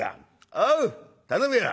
おう頼むよ。